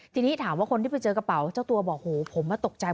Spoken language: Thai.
ทีนี้ถามว่าคนที่ไปเจอกระเป๋าเจ้าตัวบอกโหผมมาตกใจ